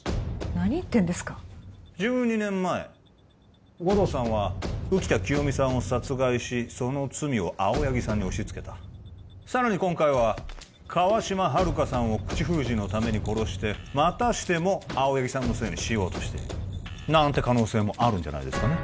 何言ってんですか１２年前護道さんは浮田清美さんを殺害しその罪を青柳さんに押しつけたさらに今回は川島春香さんを口封じのために殺してまたしても青柳さんのせいにしようとしているなんて可能性もあるんじゃないですかね